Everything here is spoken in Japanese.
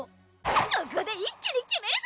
ここで一気に決めるぞ！